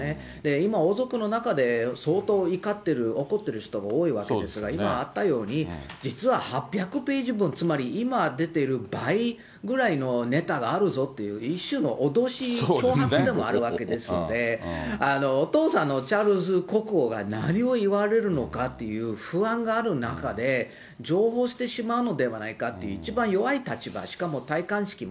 今、王族の中で相当怒ってる、怒ってる人が多いわけですが、今あったように、実は８００ページ分、今出てる倍ぐらいのネタがあるぞっていう、一種の脅し、脅迫でもあるわけですので、お父さんのチャールズ国王が何を言われるのかっていう不安がある中で、譲歩してしまうのではないかという一番弱い立場、しかも戴冠式も